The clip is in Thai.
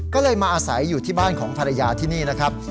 ก็เลยมาอาศัยอยู่ที่บ้านของภรรยาที่นี่นะครับ